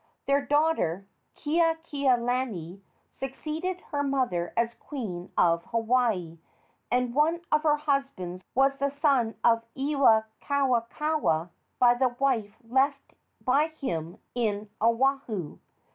Their daughter, Keakealani, succeeded her mother as queen of Hawaii, and one of her husbands was the son of Iwikauikaua by the wife left by him in Oahu.